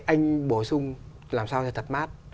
anh bổ sung làm sao cho thật mát